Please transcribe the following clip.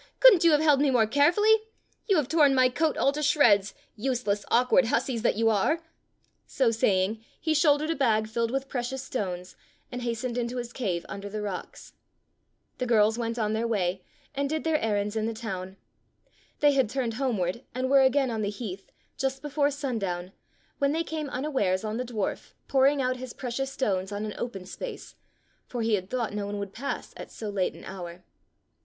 could n't you have held me more carefully.^ You have torn my coat all to shreds, useless, awkward hussies that you are!" So saying, he shouldered a bag fllled with precious stones and hastened into his cave under the rocks. The girls went on their way and did their 45 Fairy Tale Bears errands in the town. They had turned home ward and were again on the heath, just before sundown, when they came unawares on the dwarf pouring out his precious stones on an open space, for he had thought no one would pass at so late an hour.